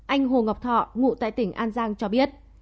anh hồ ngọc thọ ngụ tại tỉnh an giang cho biết